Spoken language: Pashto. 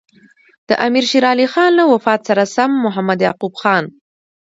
د امیر شېر علي خان له وفات سره سم محمد یعقوب خان.